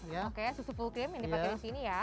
yang kedua adalah kita punya